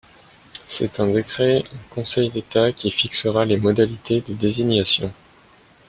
C’est un décret en Conseil d’État qui fixera les modalités de désignation.